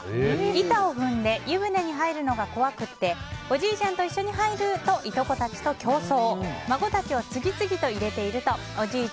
板を踏んで湯船に入るのが怖くておじいちゃんと一緒に入る！といとこたちと競争。